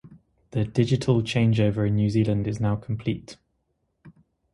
The digital changeover in New Zealand is now complete.